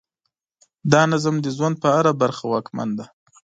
دا نظم د ژوند په هره برخه واکمن دی.